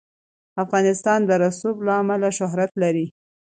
افغانستان د رسوب له امله شهرت لري.